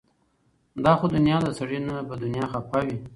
دا خو دنيا ده د سړي نه به دنيا خفه وي